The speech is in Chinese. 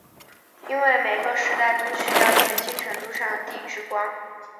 因为每个时代都需要全新程度的上帝之光。